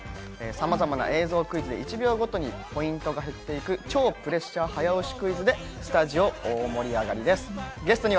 さまざまな映像クイズで１秒ごとにポイントが減っていく、超プレッシャー早押しクイズでスタジオ大盛り上がりです！